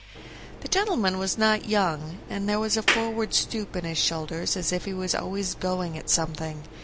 The gentleman was not young, and there was a forward stoop in his shoulders as if he was always going at something.